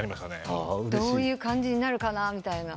どういう感じになるかなみたいな。